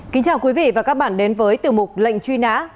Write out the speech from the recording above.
kính chào quý vị và các bạn đến với tiểu mục lệnh truy nã